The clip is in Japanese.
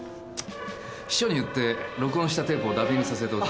秘書に言って録音したテープをダビングさせておきますよ。